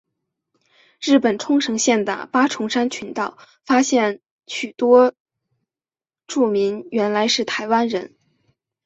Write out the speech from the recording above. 日本冲绳县的八重山群岛发现许多住民原来是台湾人。